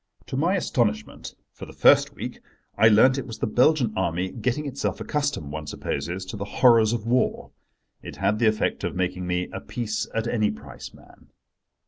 To my astonishment—for the first week—I learnt it was the Belgian Army, getting itself accustomed, one supposes, to the horrors of war. It had the effect of making me a peace at any price man.